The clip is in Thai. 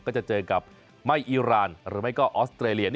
ก็จะเจอกับไม่อีรานหรือไม่ก็ออสเตรเลีย